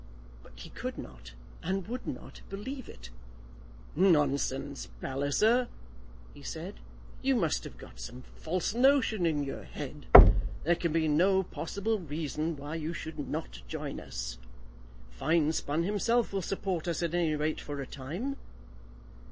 But he could not, and would not, believe it. "Nonsense, Palliser," he said. "You must have got some false notion into your head. There can be no possible reason why you should not join us. Finespun himself will support us, at any rate for a time."